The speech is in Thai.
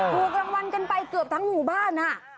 ถูกรางวัลกันไปเกือบทั้งหมู่บ้าน